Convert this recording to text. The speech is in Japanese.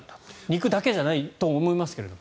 肉だけじゃないと思いますが。